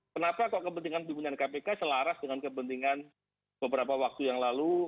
kenapa kok kepentingan pimpinan kpk selaras dengan kepentingan beberapa waktu yang lalu